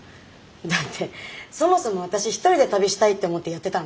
だってそもそも私一人で旅したいって思ってやってたんだし。